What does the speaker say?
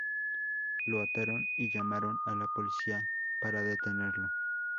Lo ataron y llamaron a la policía para detenerlo.